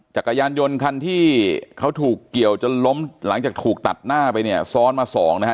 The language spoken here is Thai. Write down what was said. จักรยานยนต์คันที่เขาถูกเกี่ยวจนล้มหลังจากถูกตัดหน้าไปเนี่ยซ้อนมาสองนะฮะ